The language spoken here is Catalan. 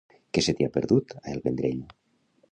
Què se t'hi ha perdut, a el Vendrell?